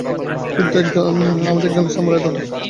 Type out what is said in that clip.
কিন্তু আমাদের একজন সামুরাই দরকার।